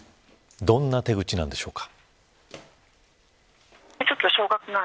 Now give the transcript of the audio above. どんな手口なんでしょうか。